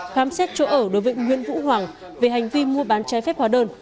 khám xét chỗ ở đối với nguyễn vũ hoàng về hành vi mua bán trái phép hóa đơn